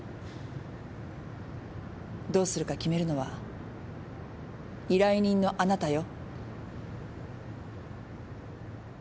どうするか決めるのは依頼人のあなたよ。